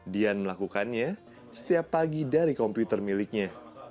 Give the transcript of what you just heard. dian melakukannya setiap pagi dari komputer miliknya